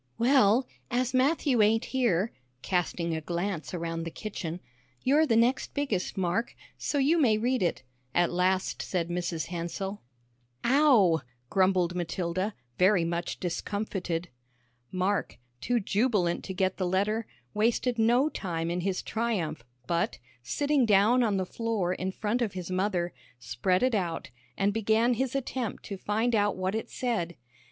"Well, as Matthew ain't here," casting a glance around the kitchen, "you're the next biggest, Mark, so you may read it," at last said Mrs. Hansell. "Ow!" grumbled Matilda, very much discomfited. Mark, too jubilant to get the letter, wasted no time in his triumph, but, sitting down on the floor in front of his mother, spread it out, and began his attempt to find out what it said.